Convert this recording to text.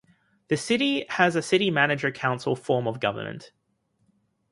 The city has a city manager-council form of government.